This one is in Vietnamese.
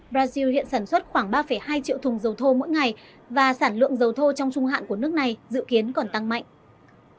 brazil hiện sản xuất khoảng ba hai triệu thùng dầu thô mỗi ngày và sản lượng dầu thô trong trung hạn của nước này dự kiến còn tăng mạnh